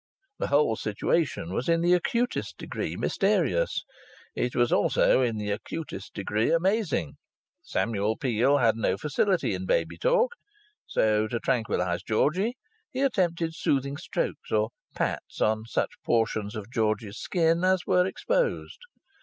The whole situation was in the acutest degree mysterious. It was also in the acutest degree amazing. Samuel Peel had no facility in baby talk, so, to tranquillize Georgie, he attempted soothing strokes or pats on such portions of Georgie's skin as were exposed.